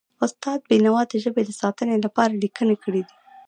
استاد بینوا د ژبې د ساتنې لپاره لیکنې کړی دي.